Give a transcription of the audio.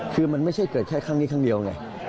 คือมันไม่ใช่เกิดแค่ครั้งนี้ครั้งเดียวไง